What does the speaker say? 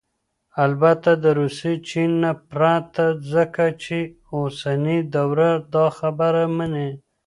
البته دروسي ، چين ... نه پرته ، ځكه چې اوسنى دور داخبره مني